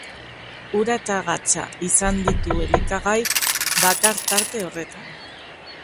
Ura eta gatza izan ditu elikagai bakar tarte horretan.